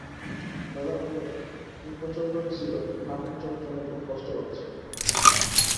দাদা বললেন, তিন বছর ধরে সিডর কানের যন্ত্রণায় খুব কষ্ট পাচ্ছে।